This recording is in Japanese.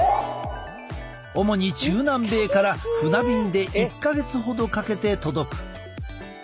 主に中南米から船便で１か月ほどかけて届く。